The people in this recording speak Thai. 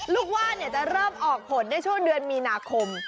ว่านจะเริ่มออกผลได้ช่วงเดือนมีนาคม